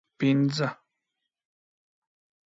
پنځه